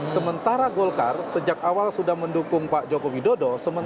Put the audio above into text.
sementara golkar sejak awal sudah mendukung pak jokowi dodo